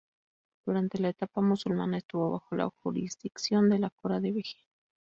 Durante la etapa musulmana estuvo bajo la jurisdicción de la cora de Beja.